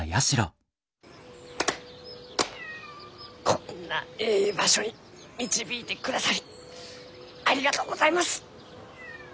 こんなえい場所に導いてくださりありがとうございます！